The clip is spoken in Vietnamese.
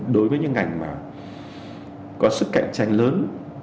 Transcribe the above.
đối với những ngành mà có sức cạnh tranh lớn